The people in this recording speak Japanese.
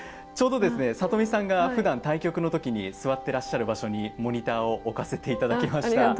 ちょうどですね里見さんがふだん対局の時に座ってらっしゃる場所にモニターを置かせていただきました。